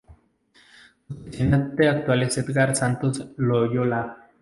Su presidente actual es Edgar Santos Loyola.